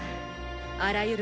あらゆる